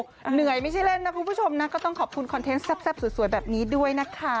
เหนื่อยไม่ใช่เล่นนะคุณผู้ชมนะก็ต้องขอบคุณคอนเทนต์แซ่บสวยแบบนี้ด้วยนะคะ